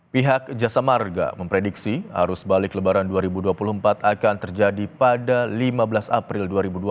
pihak jasa marga memprediksi arus balik lebaran dua ribu dua puluh empat akan terjadi pada lima belas april dua ribu dua puluh